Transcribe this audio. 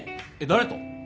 誰と？